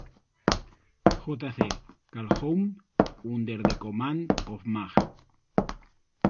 J. C. Calhoun, under the command of Maj.